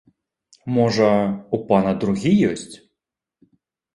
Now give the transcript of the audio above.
Можа, у пана другі ёсць?